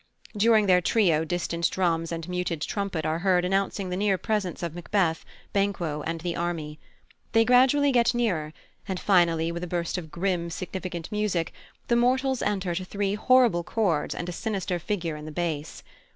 During their trio distant drums and muted trumpet are heard announcing the near presence of Macbeth, Banquo, and the army. They gradually get nearer, and finally, with a burst of grim, significant music, the mortals enter to three horrible chords and a sinister figure in the bass.